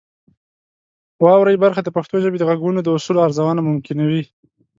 واورئ برخه د پښتو ژبې د غږونو د اصولو ارزونه ممکنوي.